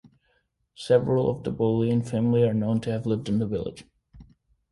Several of the Boleyn family are known to have lived in the village.